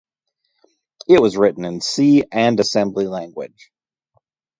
It was written in C and assembly language.